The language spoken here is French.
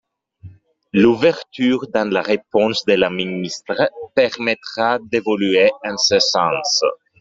L’ouverture dans la réponse de la ministre permettra d’évoluer en ce sens.